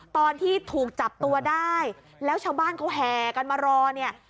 ตอนที่ถูกจับตัวได้แล้วชาวบ้านเขาแห่กันมารอเนี่ย